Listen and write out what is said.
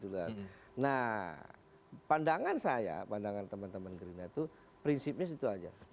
nah pandangan saya pandangan teman teman gerinda itu prinsipnya itu saja